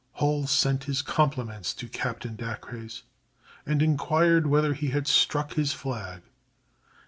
Hull sent his compliments to Captain Dacres, and inquired whether he had struck his flag.